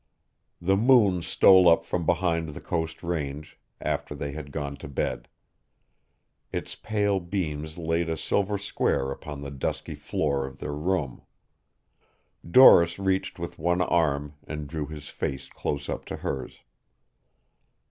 The moon stole up from behind the Coast Range after they had gone to bed. Its pale beams laid a silver square upon the dusky floor of their room. Doris reached with one arm and drew his face close up to hers.